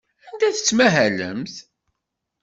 Anda tettmahalemt?